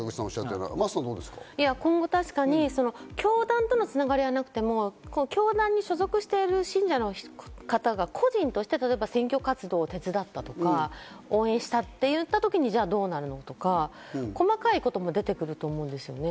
今後確かに、教団とつながりがなくても、教団に所属してる信者の方が個人として選挙活動を手伝ったりとか、応援したっていった時に、じゃあどうなるのかとか、細かいことも出てくると思うんですね。